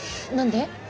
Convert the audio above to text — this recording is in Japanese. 何で？